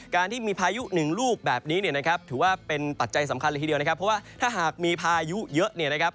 การที่มีพายุหนึ่งลูกแบบนี้เนี่ยนะครับถือว่าเป็นปัจจัยสำคัญเลยทีเดียวนะครับเพราะว่าถ้าหากมีพายุเยอะเนี่ยนะครับ